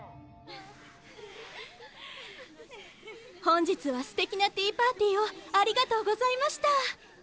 本日はすてきなティーパーティーをありがとうございました。